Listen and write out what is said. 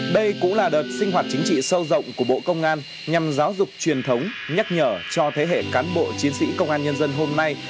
đây cũng là đợt sinh hoạt chính trị sâu rộng của bộ công an nhằm giáo dục truyền thống nhắc nhở cho thế hệ cán bộ chiến sĩ công an nhân dân hôm nay